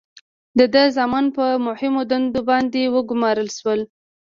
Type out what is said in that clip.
د ده زامن په مهمو دندو باندې وګمارل شول.